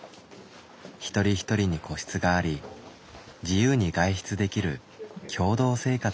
一人一人に個室があり自由に外出できる共同生活の場です。